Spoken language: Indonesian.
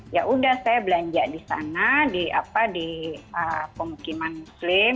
yaudah saya belanja di sana di pemukiman muslim